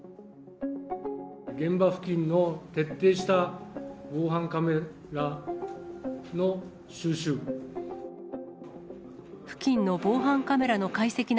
現場付近の徹底した防犯カメラの収集。